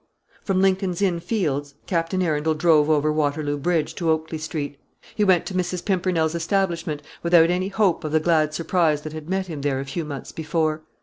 From Lincoln's Inn Fields Captain Arundel drove over Waterloo Bridge to Oakley Street. He went to Mrs. Pimpernel's establishment, without any hope of the glad surprise that had met him there a few months before.